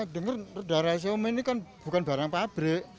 dari som ini kan bukan barang pabrik